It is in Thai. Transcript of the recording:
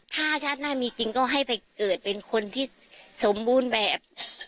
ถ้าชาติหน้ามีจริงก็ให้ไปเกิดเป็นคนที่สมบูรณ์แบบ